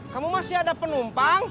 kamu masih ada penumpang